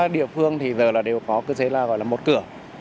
địa phương thì giờ là đều có cơ chế là gọi là một cửa